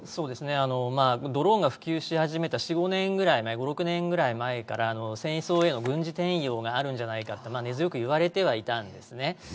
ドローンが普及し始めた５６年ぐらい前から戦争への軍事転用があるんじゃないかと根強く言われてはいたんですね。